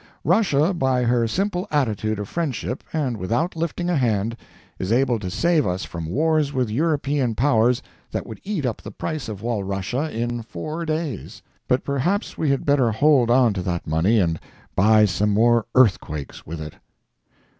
Russia, by her simple attitude of friendship, and without lifting a hand, is able to save us from wars with European powers that would eat up the price of Walrussia in four days. But perhaps we had better hold on to that money and buy some more earthquakes with it.